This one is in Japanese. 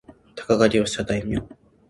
鷹狩をした大名